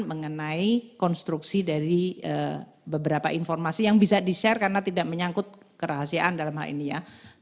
mengenai konstruksi dari beberapa informasi yang bisa di share karena tidak menyangkut kerahasiaan dalam hal ini ya